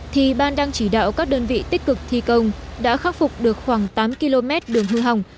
thì ban đang chỉ đạo các đơn vị tích cực thi công đã khắc phục được khoảng tám km đường hư hỏng